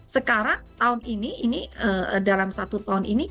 sekarang tahun ini ini dalam satu tahun ini